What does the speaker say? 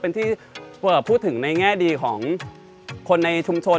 เป็นที่พูดถึงในแง่ดีของคนในชุมชน